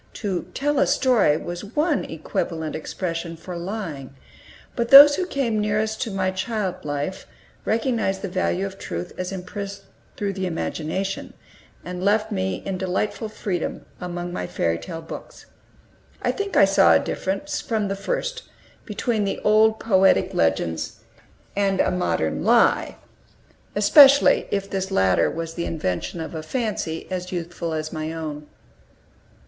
To "tell a story" was one equivalent expression for lying. But those who came nearest to my child life recognized the value of truth as impressed through the imagination, and left me in delightful freedom among my fairy tale books. I think I saw a difference, from the first, between the old poetic legends and a modern lie, especially if this latter was the invention of a fancy as youthful as my own.